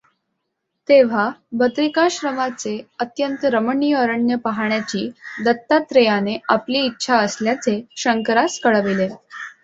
तेव्हा बदरिकाश्रमाचे अत्यंत रमणीय अरण्य पाहाण्याची दत्तात्रेयाने आपली इच्छा असल्याचे शंकरास कळविले.